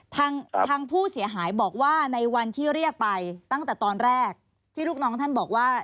ทางผู้เสียหายบอกว่าในวันที่เรียกไปตั้งแต่ตอนแรกที่ลูกน้องท่านบอกว่า